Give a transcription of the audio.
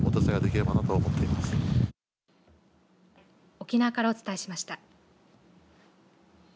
沖縄からお伝えしました。